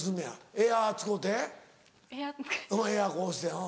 エアこうして。